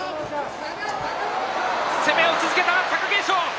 攻めを続けた貴景勝。